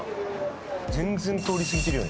全然通り過ぎてるよね